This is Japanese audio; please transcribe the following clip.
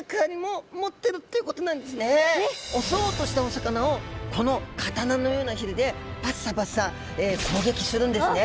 襲おうとしたお魚をこの刀のようなひげでバッサバッサ攻撃するんですね